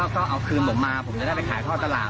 ก็เอาคืนผมมาผมจะได้ไปขายท่อตลาด